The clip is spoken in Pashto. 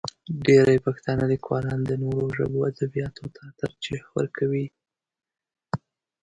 ډېری پښتانه لیکوالان د نورو ژبو ادبیاتو ته ترجیح ورکوي.